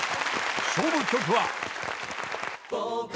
［勝負曲は］